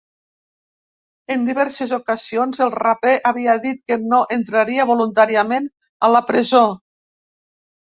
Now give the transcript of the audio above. En diverses ocasions, el raper havia dit que no entraria voluntàriament a la presó.